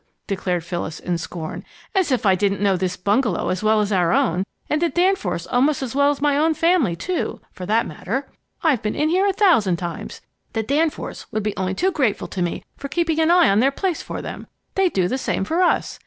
declared Phyllis, in scorn. "As if I didn't know this bungalow as well as our own, and the Danforths almost as well as my own family, too, for that matter. I've been in here a thousand times. The Danforths would be only too grateful to me for keeping an eye on their place for them. They'd do the same for us.